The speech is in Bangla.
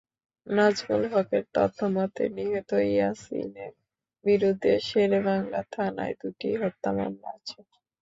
নাজমুল হকের তথ্যমতে, নিহত ইয়াসিনের বিরুদ্ধে শেরে বাংলা থানায় দুটি হত্যা মামলা আছে।